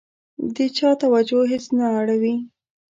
د چا توجه هېڅ نه اوړي.